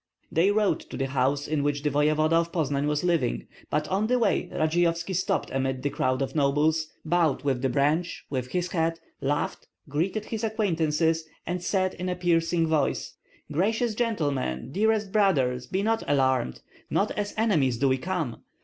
They rode to the house in which the voevoda of Poznan was living; but on the way Radzeyovski stopped amid the crowd of nobles, bowed with the branch, with his hat, laughed, greeted his acquaintances, and said in a piercing voice, "Gracious gentlemen, dearest brothers, be not alarmed! Not as enemies do we come.